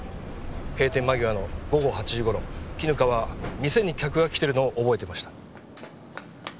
閉店間際の午後８時頃絹香は店に客が来てるのを覚えてました。